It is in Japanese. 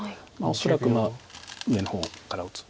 恐らく上の方から打つ。